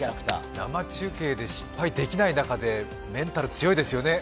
生中継で失敗できない中でメンタル、強いですよね。